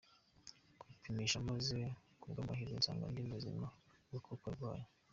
kwipimisha maze kubw’amahirwe nsanga ndi muzima we koko arwaye.